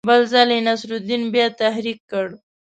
بل ځل یې نصرالدین بیا تحریک کړ.